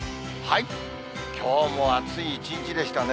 きょうも暑い一日でしたね。